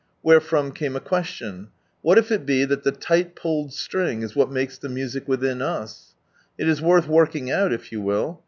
Wherefrom came a question, — what if it be that the light pulled siring is what makes the music wiihin us? It is worth working out. if you will.